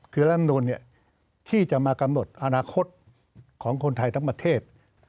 คือรัฐมนุนที่จะมากำหนดอนาคตของคนไทยทั้งประเทศ